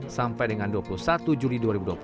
sampai dengan dua puluh satu juli dua ribu dua puluh